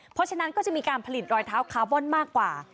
เพราะฉะนั้นก็จะมีการผลิตรอยเท้าคาร์บอนมากกว่า